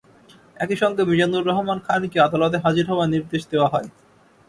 একই সঙ্গে মিজানুর রহমান খানকে আদালতে হাজির হওয়ার নির্দেশ দেওয়া হয়।